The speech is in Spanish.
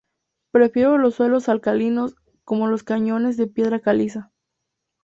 Prefiere los suelos alcalinos, como los cañones de piedra caliza.